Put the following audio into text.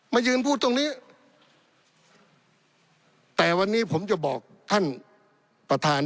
มายืนพูดตรงนี้แต่วันนี้ผมจะบอกท่านประธาน